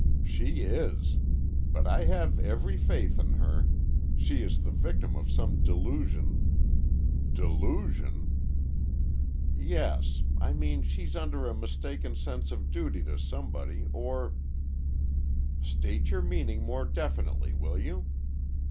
"She is. But I have every faith in her. She is the victim of some delusion—" "Delusion?" "Yes; I mean she's under a mistaken sense of duty to somebody, or—" "State your meaning more definitely, will you?"